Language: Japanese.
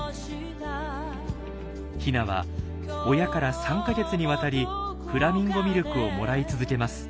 ヒナは親から３か月にわたりフラミンゴミルクをもらい続けます。